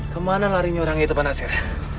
kemana larinya orangnya itu pak nasir